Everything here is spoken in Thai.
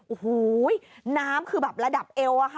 โอ้โหน้ำคือแบบระดับเอวอะค่ะ